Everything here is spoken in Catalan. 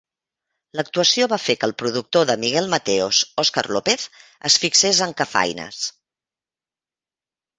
L'actuació va fer que el productor de Miguel Mateos, Oscar Lopez, es fixés en Cafaines.